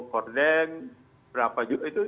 gordon berapa juga itu